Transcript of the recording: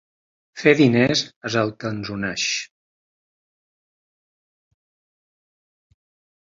"Fer diners" és el que els uneix.